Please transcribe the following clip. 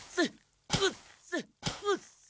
うっせ！